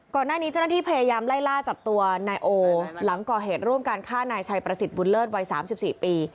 ก่อนหน้านี้เจ้าหน้าที่พยายามไล่ล่าจับตัวนายโอหลังก่อเหตุร่วมการฆ่านายชัยประสิทธิ์บุญเลิศวัย๓๔ปี